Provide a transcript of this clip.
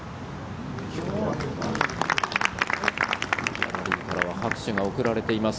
ギャラリーから拍手が送られています。